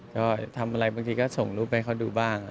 ก็ทำอะไรบางทีก็ส่งรูปให้เขาดูบ้าง